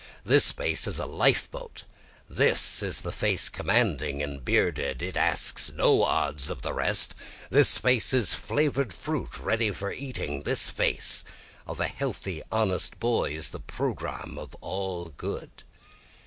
This face is a life boat, This is the face commanding and bearded, it asks no odds of the rest, This face is flavor'd fruit ready for eating, This face of a healthy honest boy is the programme of all good.